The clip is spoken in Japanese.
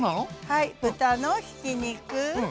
はい豚のひき肉